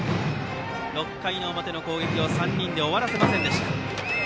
６回の表の攻撃を３人で終わらせませんでした。